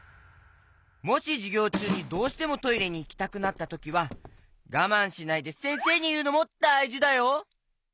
もしじゅぎょうちゅうにどうしてもトイレにいきたくなったときはがまんしないでせんせいにいうのもだいじだよ。